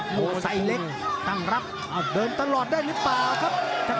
โอ้โหไฟเล็กตั้งรับเดินตลอดได้นี่ป่าวครับ